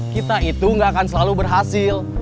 kita itu gak akan selalu berhasil